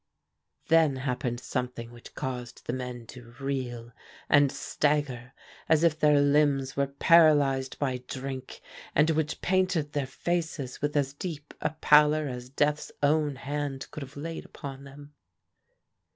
Then happened something which caused the men to reel and stagger as if their limbs were paralyzed by drink, and which painted their faces with as deep a pallor as death's own hand could have laid upon them.